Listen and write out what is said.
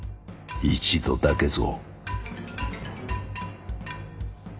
一度だけぞ。